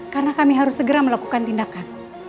karena kami harus segera melakukan tindakan